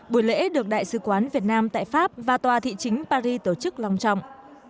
buổi lễ được đại sứ quán việt nam tại pháp và tòa thị chính paris tổ chức lòng trọng